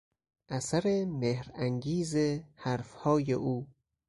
اثر مهرانگیز حرفهای او